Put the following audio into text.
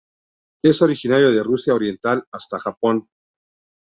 Es originario de Rusia oriental hasta Japón.